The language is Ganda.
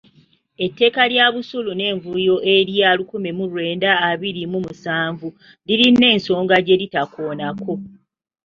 Etteeka lya busuulu n’envujjo erya lukumi mu lwenda abiri mu musanvu lirina ensonga gye litaakoonako.